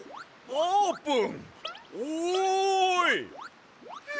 あーぷん。